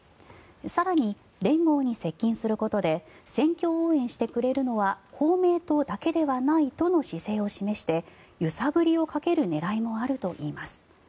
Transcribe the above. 更に、連合に接近することで選挙応援してくれるのは公明党だけではないとの姿勢を示して揺さぶりをかける狙いもあるといいます。